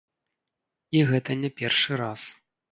І гэта не першы раз!